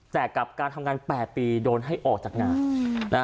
แต่กับการทำงาน๘ปีโดนให้ออกจากงาน